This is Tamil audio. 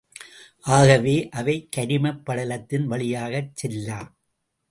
ஆகவே அவை கரிமப் படலத்தின் வழியாகச் செல்லா.